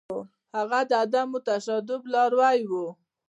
هغه د عدم تشدد لاروی و.